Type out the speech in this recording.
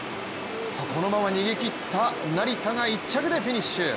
このまま逃げ切った成田が１着でフィニッシュ。